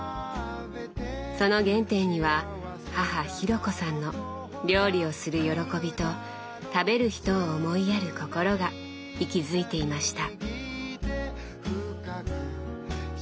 その原点には母紘子さんの料理をする喜びと食べる人を思いやる心が息づいていました。